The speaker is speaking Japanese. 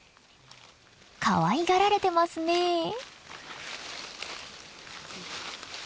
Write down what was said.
かわいがられてますねえ。